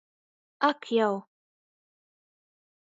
Ak jau!